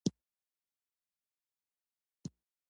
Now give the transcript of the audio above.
نرمه نارينه يوگړې بې ټکو ساده او زورواله يا